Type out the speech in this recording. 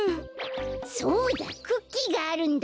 そうだクッキーがあるんだ。